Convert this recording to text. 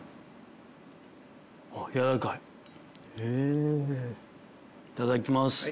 いただきます。